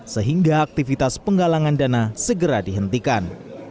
sehingga aktivitas penggalangan dana segera dihentikan